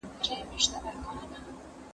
زه مخکي لاس مينځلي و!.